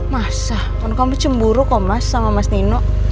masa kami cemburu kok mas sama mas nino